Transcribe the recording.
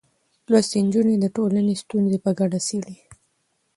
لوستې نجونې د ټولنې ستونزې په ګډه څېړي.